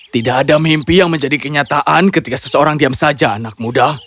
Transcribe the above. tidak ada mimpi yang menjadi kenyataan ketika seseorang diam saja anak muda